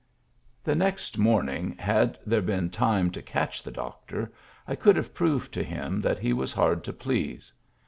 The next morning, had there been time to catch the doctor, I could have proved to him that he was hard to please.